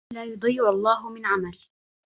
لا يضيع الله من عمل